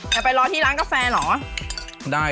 จะไปรอที่ร้านกาแฟเหรอครับ